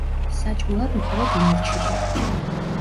საჭმელად მხოლოდ ნორჩი ვარგა.